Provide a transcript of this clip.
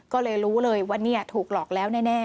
ก็เลยรู้เลยว่าเนี่ยถูกหลอกแล้วแน่